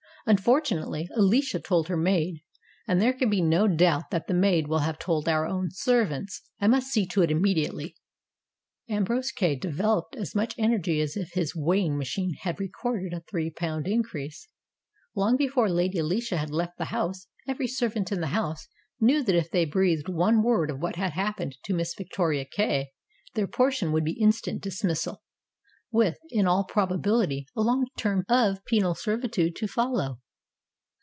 Unfortunately, Alicia told her maid, and there can be no doubt that the maid will have told our own servants. I must see to it immediately." Ambrose Kay developed as much energy as if his weighing machine had recorded a three pound increase. Long before Lady Alicia had left the house every servant in the house knew that if they breathed one THE TENWOOD WITCH 249 word of what had happened to Miss Victoria Kay their portion would be instant dismissal, with, in all proba bility, a long term of penal servitude to follow.